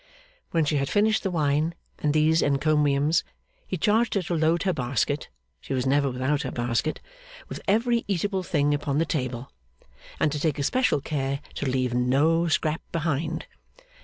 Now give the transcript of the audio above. When she had finished the wine and these encomiums, he charged her to load her basket (she was never without her basket) with every eatable thing upon the table, and to take especial care to leave no scrap behind.